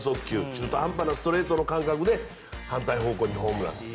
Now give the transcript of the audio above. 中途半端なストレートの感覚で反対方向にホームラン。